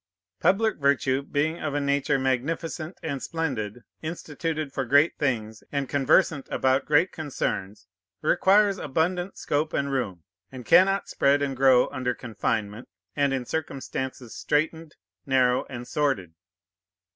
Public virtue, being of a nature magnificent and splendid, instituted for great things, and conversant about great concerns, requires abundant scope and room, and cannot spread and grow under confinement, and in circumstances straitened, narrow, and sordid.